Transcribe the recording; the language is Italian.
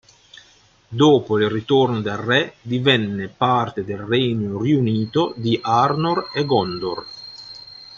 Dopo il ritorno del Re divenne parte del Regno Riunito di Arnor e Gondor.